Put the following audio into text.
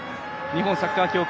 日本サッカー協会